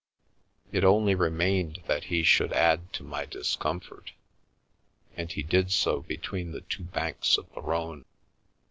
It only remained that he should add to my discomfort, and he did so between the two banks of the Rhone.